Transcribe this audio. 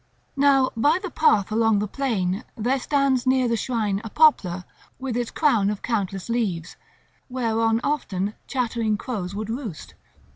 Now by the path along the plain there stands near the shrine a poplar with its crown of countless leaves, whereon often chattering crows would roost.